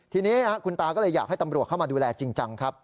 ทีนี้คุณตาก็เลยอยากให้ตำรวจเข้ามาดูแลจริงจังครับ